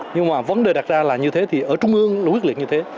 nhưng mà vấn đề đặt ra là như thế thì ở trung ương luôn quyết liệt như thế